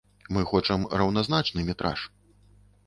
Мы хочам раўназначны метраж.